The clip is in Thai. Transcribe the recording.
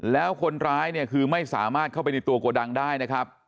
แล้วคนร้ายเนี่ยคือไม่สามารถเข้าไปในตัวโกดังได้นะครับ